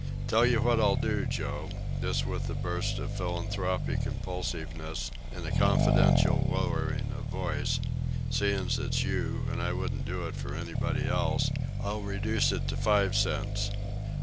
Tell you what I'll do, Joe," this with a burst of philanthropic impulsiveness and a confidential lowering of voice, "seein's it's you, and I wouldn't do it for anybody else, I'll reduce it to five cents.